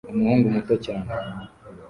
Umuhungu muto cyane